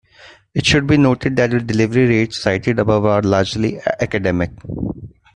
It should be noted that the delivery rates cited above are largely academic.